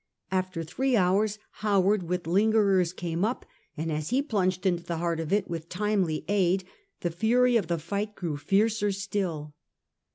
After three hours Howard with the lingerers came up, and as he plunged into the heart of it with timely aid the fury of the fight grew fiercer still.